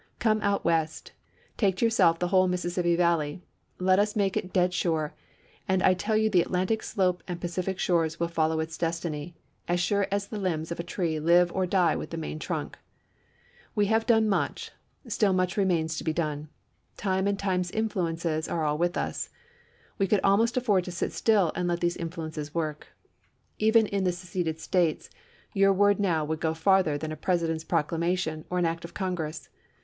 Come out West; take to yourself the whole Mississippi Valley, let us make it dead sure, and I tell you the Atlantic slope and Pacific shores will follow its destiny, as sure as the limbs of a GRANT GENERAL IN CHIEF 339 tree live or die with the main trunk. We have ch. xiii. done much; still much remains to be done. Time and time's influences are all with us; we could al most afford to sit still and let these influences work. Even in the seceded States youi word now would go further than a President's proclamation or an act of Congress.